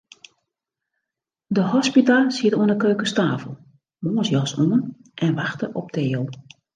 De hospita siet oan 'e keukenstafel, moarnsjas oan, en wachte op Theo.